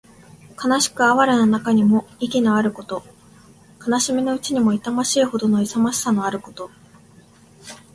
悲しく哀れな中にも意気のあること。悲しみのうちにも痛ましいほどの勇ましさのあること。